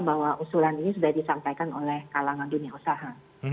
bahwa usulan ini sudah disampaikan oleh kalangan dunia usaha